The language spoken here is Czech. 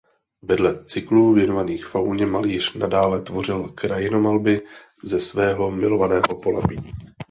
Vedle cyklů věnovaných fauně malíř nadále tvořil krajinomalby ze svého milovaného Polabí.